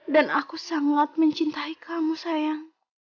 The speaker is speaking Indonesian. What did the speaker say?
dan aku sangat mencintai kamu sayang